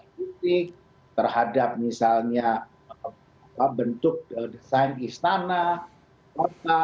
kritik terhadap misalnya bentuk desain istana kota